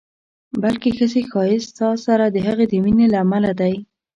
بلکې ښځې ښایست ستا سره د هغې د مینې له امله دی.